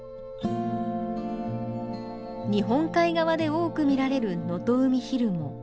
日本海側で多く見られるノトウミヒルモ。